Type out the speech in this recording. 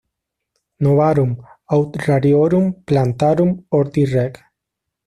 Novarum, aut Rariorum Plantarum Horti Reg.